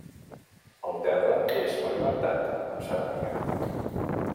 El terra és pavimentat amb ceràmica.